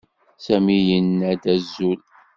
Sami yenna-d azul.